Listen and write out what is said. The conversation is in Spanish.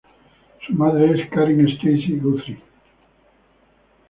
Su madre es Karen Stacy Guthrie.